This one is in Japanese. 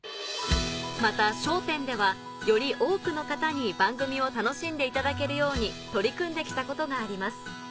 また『笑点』ではより多くの方に番組を楽しんでいただけるように取り組んで来たことがあります